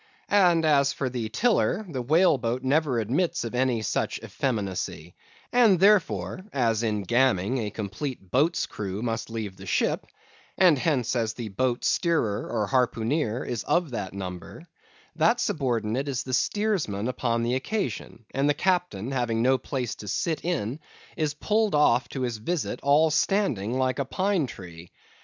And as for a tiller, the whale boat never admits of any such effeminacy; and therefore as in gamming a complete boat's crew must leave the ship, and hence as the boat steerer or harpooneer is of the number, that subordinate is the steersman upon the occasion, and the captain, having no place to sit in, is pulled off to his visit all standing like a pine tree.